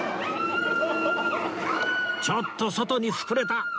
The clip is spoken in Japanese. ちょっと外に膨れた！